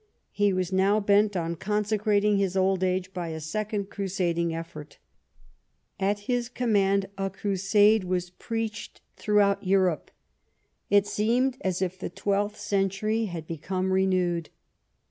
He was now bent on consecrating his old age by a second crusading effort. At his command a Crusade was preached through 48 EDWARD I chap. out Europe. It seemed as if the twelfth century had become renewed.